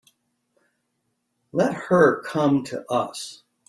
Let her come to us.